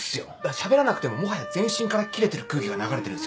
しゃべらなくてももはや全身からキレてる空気が流れてるんすよ。